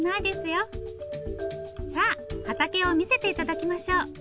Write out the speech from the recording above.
さあ畑を見せて頂きましょう。